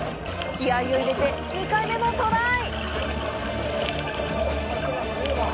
気合いを入れて２回目のトライ！